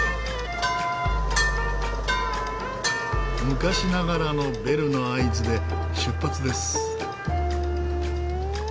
昔ながらのベルの合図で出発です。